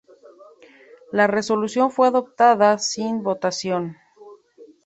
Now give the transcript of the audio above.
La resolución fue adoptada sin votación.